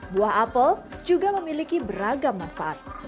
buah apel juga memiliki beragam manfaat